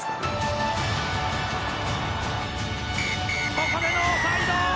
ここでノーサイド！